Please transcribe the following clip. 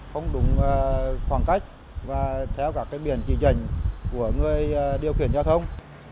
không đúng khoảng cách và theo các biển chỉ dành của người điều khiển giao thông